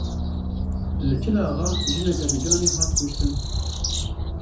Li Çil Axa jineke ducanî hat kuştin.